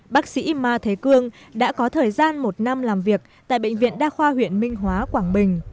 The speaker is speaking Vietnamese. bác sĩ ma thế cương đã có thời gian một năm làm việc tại bệnh viện đa khoa huyện minh hóa quảng bình